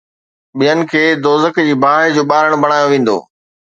ٻين کي دوزخ جي باهه جو ٻارڻ بڻايو ويندو